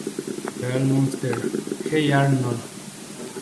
Real Monsters", "Hey Arnold!